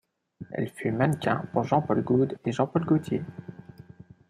Elle fut mannequin pour Jean-Paul Goude et Jean-Paul Gaultier.